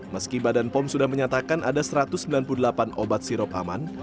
meski badan pom sudah menyatakan ada satu ratus sembilan puluh delapan obat sirop aman